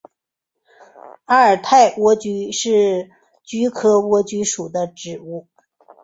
阿尔泰莴苣是菊科莴苣属的植物。